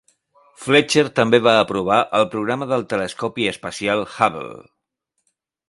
Fletcher també va aprovar el programa del telescopi espacial Hubble.